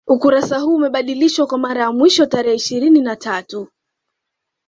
Ukurasa huu umebadilishwa kwa mara ya mwisho tarehe ishirini na tatu